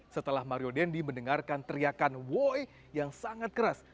setelah mario dendi mendengarkan teriakan woy yang sangat keras